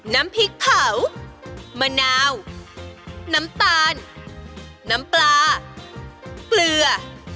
น้ำพริกเผามะนาวน้ำตาลน้ำปลาเกลือ